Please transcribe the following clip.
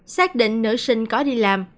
xác định nữ sinh có đi làm